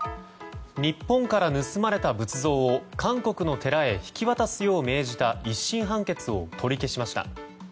日本から盗まれた仏像を韓国の寺へ引き渡すよう命じた１審判決を取り消しました。